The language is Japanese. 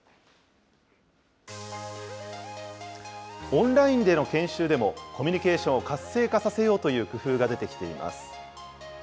オンラインでの研修でも、コミュニケーションを活性化させようというくふうが出てきています。